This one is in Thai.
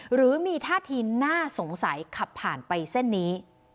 หรือมีท่าทีน่าสงสัยขับผ่านไปเส้นนี้